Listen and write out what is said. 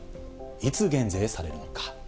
いつ減税されるのか。